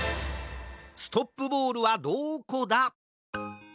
ストップボールはどこだ？